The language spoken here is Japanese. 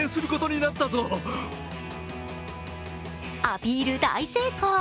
アピール大成功！